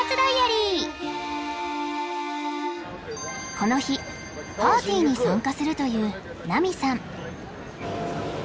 この日パーティーに参加するというナミさん